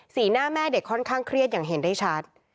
หน้าแม่เด็กค่อนข้างเครียดอย่างเห็นได้ชัด